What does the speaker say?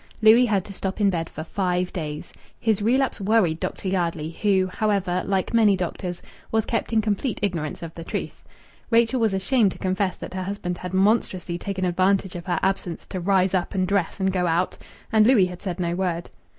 Louis had to stop in bed for five days. His relapse worried Dr. Yardley, who, however, like many doctors, was kept in complete ignorance of the truth; Rachel was ashamed to confess that her husband had monstrously taken advantage of her absence to rise up and dress and go out; and Louis had said no word.